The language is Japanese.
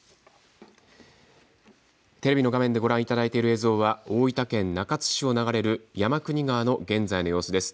テレビの画面でご覧いただいている映像は大分県中津市を流れる山国川の現在の様子です。